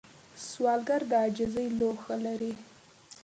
سوالګر د عاجزۍ لوښه لري